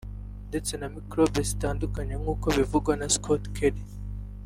ndetse na mikorobe zitandukanye nkuko bivugwa na Scott Kelly